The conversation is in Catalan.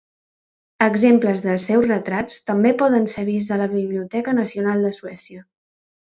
Exemples dels seus retrats també poden ser vists a la Biblioteca Nacional de Suècia.